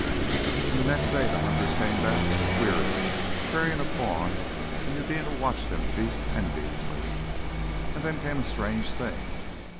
And the next day the hunters came back weary, carrying a fawn, and Eudena watched the feast enviously. And then came a strange thing.